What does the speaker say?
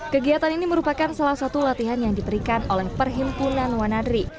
kegiatan ini merupakan salah satu latihan yang diberikan oleh perhimpunan wanadri